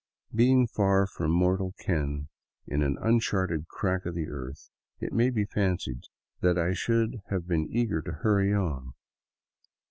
Being far from mortal ken in an un charted crack of the earth, it may be fancied I should have been eager to hurry on.